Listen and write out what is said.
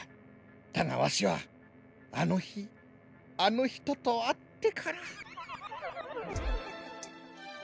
だがワシはあのひあのひととあってから。